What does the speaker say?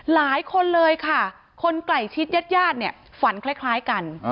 หลายคนเลยค่ะคนไก่ชิดยาดฝันคล้ายกัน